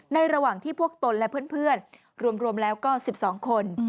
ระหว่างที่พวกตนและเพื่อนรวมแล้วก็๑๒คน